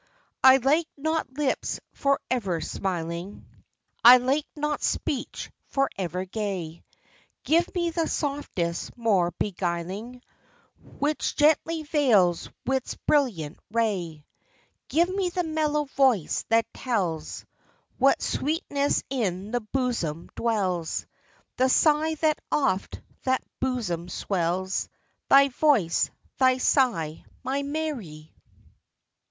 I like not lips forever smiling; I like not speech forever gay : Give me the softness more beguiling Which gently veils wit's brilliant ray; Give me the mellow voice that tells What sweetness in the bosom dwells : The sigh that oft that bosom swells :— Thy voice, thy sigh, my Mary